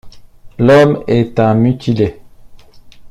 L’homme est un mutilé.